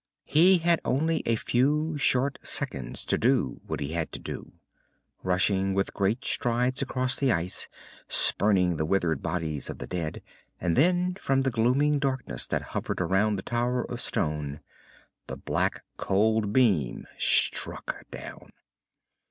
He had only a few short seconds to do what he had to do. Rushing with great strides across the ice, spurning the withered bodies of the dead.... And then, from the glooming darkness that hovered around the tower of stone, the black cold beam struck down.